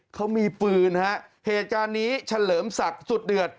เขามีปืนฮะเหตุการณ์นี้เฉลิมศักดิ์สุดเดือด